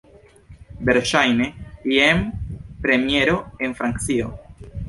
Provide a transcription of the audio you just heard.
Verŝajne, jen premiero en Francio.